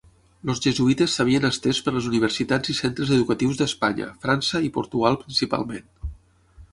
Els jesuïtes s'havien estès per les universitats i centres educatius d'Espanya, França i Portugal principalment.